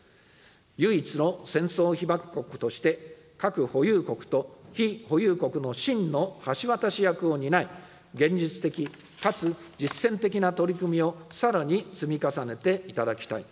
唯一の戦争被爆国として、核保有国と非保有国の真の橋渡し役を担い、現実的かつ実践的な取り組みをさらに積み重ねていただきたい。